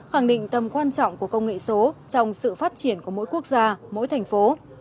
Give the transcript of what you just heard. khẳng định tầm quan trọng của công nghệ số trong sự phát triển của mỗi quốc gia mỗi thành phố